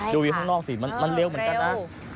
ดูอยู่ข้างนอกสิมันเร็วเหมือนกันนะ